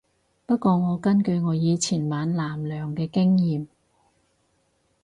不過我根據我以前玩艦娘嘅經驗